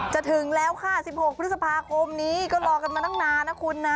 ถึงแล้วค่ะ๑๖พฤษภาคมนี้ก็รอกันมาตั้งนานนะคุณนะ